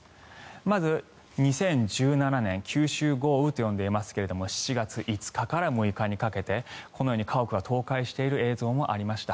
まず、２０１７年九州豪雨と呼んでいますが７月５日から６日にかけてこのように家屋が倒壊している映像もありました。